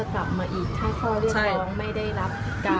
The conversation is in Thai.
ขอบคุณครับ